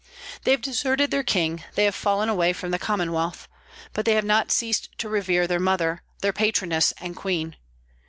They have deserted their king, they have fallen away from the Commonwealth; but they have not ceased to revere their Mother, their Patroness and Queen.